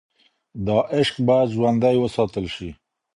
دا عشق باید ژوندی وساتل شي.